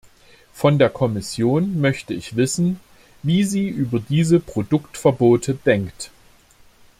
Von der Kommission möchte ich wissen, wie sie über diese Produktverbote denkt.